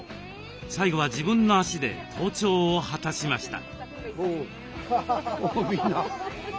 最後は自分の足で登頂を果たしました。